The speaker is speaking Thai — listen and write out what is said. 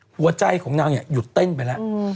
หัวใจของนางหยุดเต้นไปแล้ว